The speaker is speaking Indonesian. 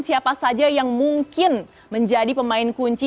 siapa saja yang mungkin menjadi pemain kunci